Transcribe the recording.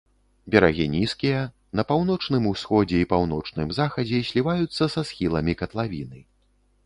Берагі нізкія, на паўночным усходзе і паўночным захадзе зліваюцца са схіламі катлавіны.